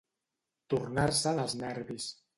Tornar-se'n els nervis.